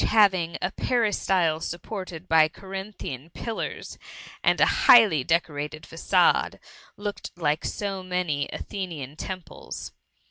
having a peristyle supported by Corinthiaxi pillars, and a highly decorated facade, looked like so many Athenian temples.